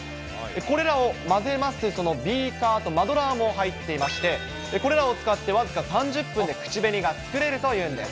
これらを混ぜますビーカーとマドラーも入っていまして、これらを使って、僅か３０分で口紅が作れるというんです。